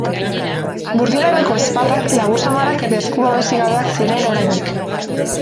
Burdin Aroko ezpatak labur samarrak eta esku-babesik gabeak ziren oraindik.